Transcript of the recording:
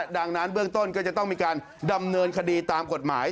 ดังนั้นเบื้องต้นก็จะต้องมีการดำเนินคดีตามกฎหมาย